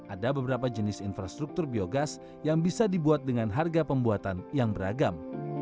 ada beberapa jenis infrastruktur biogas yang bisa dibuat dengan harga pembuatan yang beragam